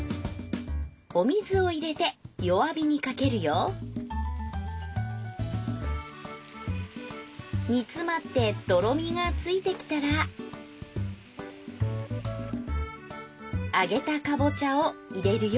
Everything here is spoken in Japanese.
お水を入れて弱火にかけるよ煮詰まってとろみがついてきたら揚げたかぼちゃを入れるよ。